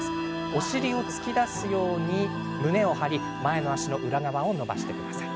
お尻を突き出すように胸を張り前の足の裏側を伸ばしてください。